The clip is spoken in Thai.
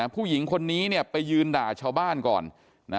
ผู้หญิงคนนี้ไปยืนด่าชาวบ้านก่อน